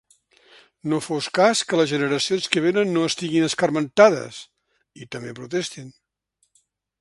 No fos cas que les generacions que venen no estiguin escarmentades i també protestin.